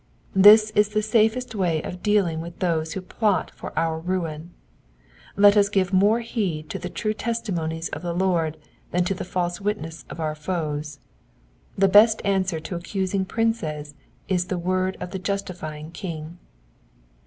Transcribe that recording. Tliis is the safest way of dealing with those who plot for our ruin ; let us give more heed to the true testimonies of the Lord than to the false witness of our foes. The best answer to accusing princes is the word of the justifying King.